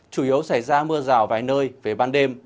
chủ yếu xảy ra mưa rào vài nơi về ban đêm